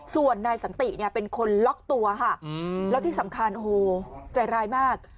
ส่วนนายสันติเนี่ยเป็นคนล็อกตัวค่ะแล้วที่สำคัญโอ้โหใจร้ายมาก